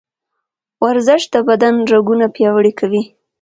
ورزش د بدن رګونه پیاوړي کوي.